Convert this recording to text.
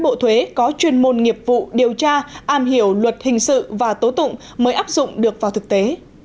bộ thuế có chuyên môn nghiệp vụ điều tra am hiểu luật hình sự và tố tụng mới áp dụng được vào thực tế